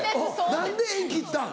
何で縁切ったん？